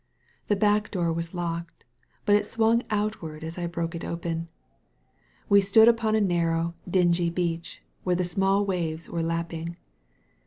The back door was locked. But it swung outward as I broke it open. We stood upon a narrow, dingy beach» where the smaQ waves were lapping.